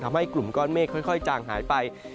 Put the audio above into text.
ทำให้กลุ่มก้อนเมฆค่อยจางหายไป